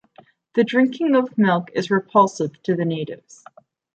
The drinking of milk is repulsive to the natives.